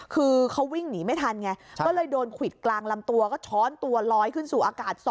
คือเขาวิ่งหนีไม่ทันไงก็เลยโดนควิดกลางลำตัวก็ช้อนตัวลอยขึ้นสู่อากาศ๒